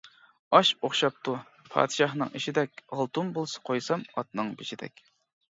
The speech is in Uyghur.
ئاش ئوخشاپتۇ پادىشاھنىڭ ئېشىدەك، ئالتۇن بولسا قويسام ئاتنىڭ بېشىدەك.